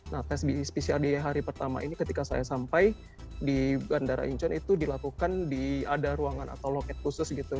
nah tes pcr di hari pertama ini ketika saya sampai di bandara incheon itu dilakukan di ada ruangan atau loket khusus gitu